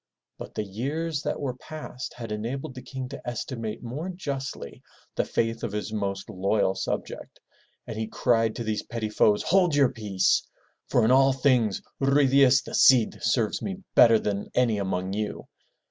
'' But the years that were past had enabled the King to estimate more justly the faith of his most loyal subject, and he cried to these petty foes, Hold your peace! For in all things, Ruy Diaz the Cid serves me better than any among you!"